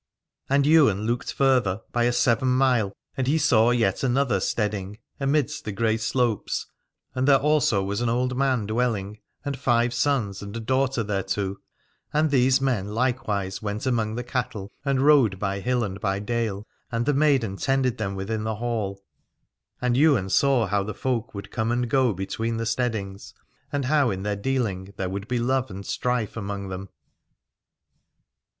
And Ywain looked further, by a seven mile, and he saw yet another steading amidst the grey slopes, and there also was an old man dwelling, and five sons, and a daughter thereto : and these men likewise went among the cattle and rode by hill and by dale, and the maiden tended them within the hall. And Ywain saw how the folk would come and go between the steadings, and how in their dealing there would be love and strife among them.